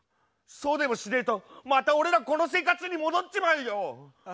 そうでもしねえとまた俺らこの生活に戻っちまうよ！